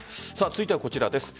続いてはこちらです。